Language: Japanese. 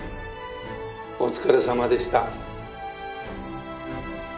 「お疲れさまでした」